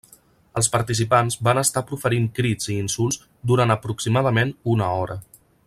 Els participants van estar proferint crits i insults durant aproximadament una hora.